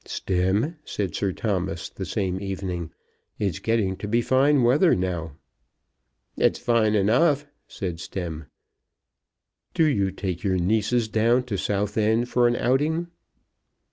"Stemm," said Sir Thomas the same evening, "it's getting to be fine weather now." "It's fine enough," said Stemm. "Do you take your nieces down to Southend for an outing.